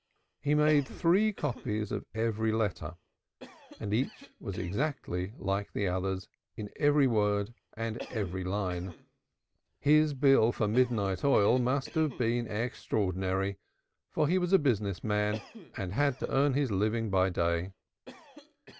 He made three copies of every letter, and each was exactly like the others in every word and every line. His bill for midnight oil must have been extraordinary, for he was a business man and had to earn his living by day.